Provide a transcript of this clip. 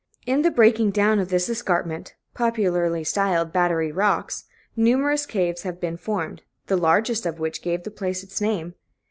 In the breaking down of this escarpment, popularly styled Battery Rocks, numerous caves have been formed, the largest of which gave the place its name.